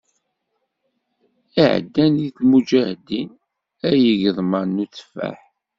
I iɛeddan deg lmuǧahdin, ay igeḍman n uteffaḥ.